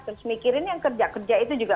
terus mikirin yang kerja kerja itu juga